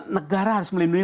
negara harus melindungi